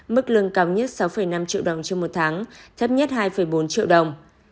mức lương cao nhất sáu năm triệu đồng trên một tháng thấp nhất hai bốn triệu đồng